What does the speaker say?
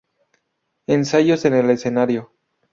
Ensayos en el escenario.